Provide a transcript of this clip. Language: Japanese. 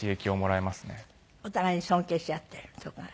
お互いに尊敬し合っているとか。